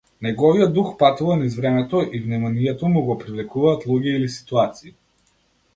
Неговиот дух патува низ времето и вниманието му го привлекуваат луѓе или ситуации.